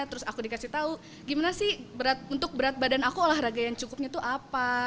terus aku dikasih tahu gimana sih untuk berat badan aku olahraga yang cukupnya itu apa